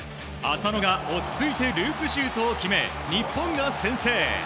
浅野が落ち着いてループシュートを決め日本が先制。